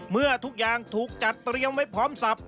เมื่อทุกอย่างถูกจัดเตรียมไว้พร้อมสับ